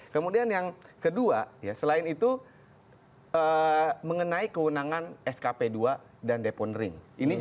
kemudian yang kedua selain itu mengenai kewenangan skp ii dan depon ring